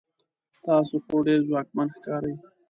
تاسو خو ډیر ځواکمن ښکارئ